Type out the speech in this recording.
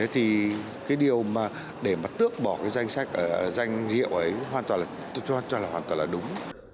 thì cái điều để tước bỏ danh hiệu ấy hoàn toàn là đúng